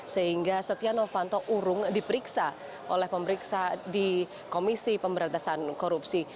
sehingga setia novanto urung diperiksa oleh pemeriksa di komisi pemberantasan korupsi